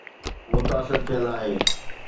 متاثر ٿيل آهي.